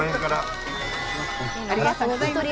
ありがとうございます。